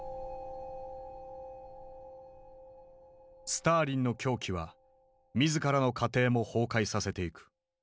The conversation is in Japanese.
スターリンの狂気は自らの家庭も崩壊させていく。